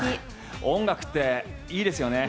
音楽っていいですよね。